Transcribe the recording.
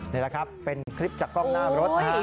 นี่แหละครับเป็นคลิปจากกล้องหน้ารถนะฮะ